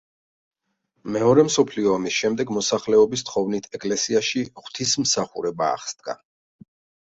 მეორე მსოფლიო ომის შემდეგ მოსახლეობის თხოვნით ეკლესიაში ღვთისმსახურება აღსდგა.